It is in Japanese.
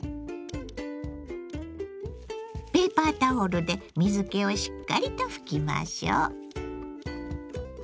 ペーパータオルで水けをしっかりと拭きましょう。